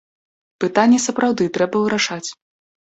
Пытанне сапраўды трэба вырашаць.